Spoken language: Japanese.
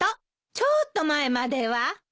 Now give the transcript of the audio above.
ちょっと前までは。